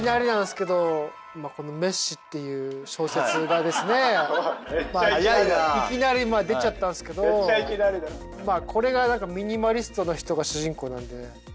今この『滅私』っていう小説がですねいきなり出ちゃったんすけどこれがミニマリストの人が主人公なんでね。